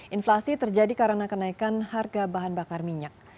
inflasi terjadi karena kenaikan harga bahan bakar minyak